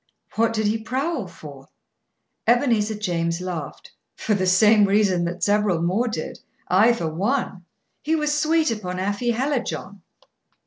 "What did he prowl for?" Ebenezer James laughed. "For the same reason that several more did I, for one. He was sweet upon Afy Hallijohn."